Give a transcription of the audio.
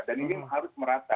dan ini harus merata